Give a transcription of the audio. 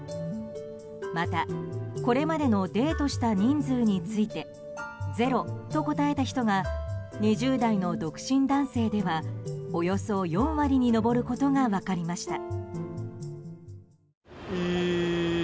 また、これまでのデートした人数についてゼロと答えた人が２０代の独身男性ではおよそ４割に上ることが分かりました。